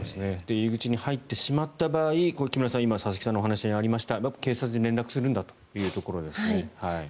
入り口に入ってしまった場合佐々木さんの話に今ありました警察に連絡するんだというところですね。